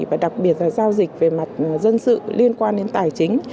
và đặc biệt là giao dịch về mặt dân sự liên quan đến tài chính